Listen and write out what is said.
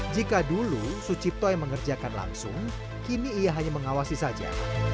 jika dulu sucipto yang mengerjakan langsung kini ia hanya mengawasi saja